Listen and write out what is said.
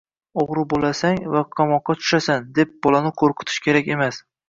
O‘g‘ri bo‘lasang va qamoqqa tushasan, deb bolani ko‘rqitish kerak emas.